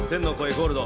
ゴールド。